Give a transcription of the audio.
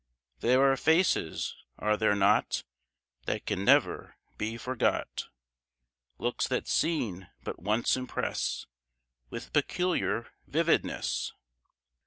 There are faces are there not? That can never be forgot. Looks that seen but once impress With peculiar vividness.